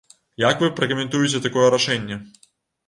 Як вы пракаментуеце такое рашэнне?